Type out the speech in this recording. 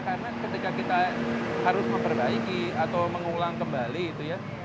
karena ketika kita harus memperbaiki atau mengulang kembali itu ya